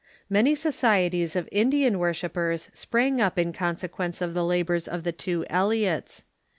Many societies of Indian Avorshippers sprang up in consequence of the labors of the tAA ^o Eliots.